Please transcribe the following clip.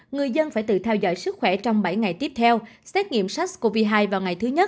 người dân phải tự theo dõi sức khỏe trong bảy ngày tiếp theo xét nghiệm sars cov hai vào ngày thứ nhất